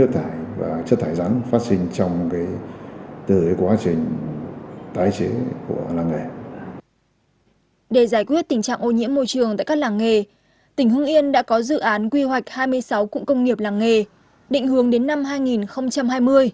để giải quyết tình trạng ô nhiễm môi trường tại các làng nghề tỉnh hưng yên đã có dự án quy hoạch hai mươi sáu cụm công nghiệp làng nghề định hướng đến năm hai nghìn hai mươi